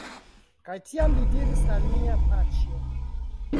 Kaj tiam li diris al mia paĉjo: